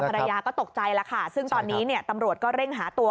ภรรยาก็ตกใจแล้วค่ะซึ่งตอนนี้เนี่ยตำรวจก็เร่งหาตัว